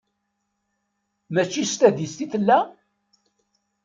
Mačci s tadist i tella?